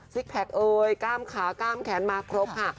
แพคเอ้ยกล้ามขากล้ามแขนมาครบค่ะ